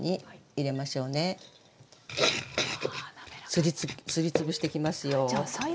すりつぶしていきますよ。